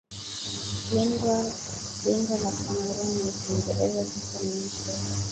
lindwa la Kamerun ya KiingerezaKwa sasa ni nchi ya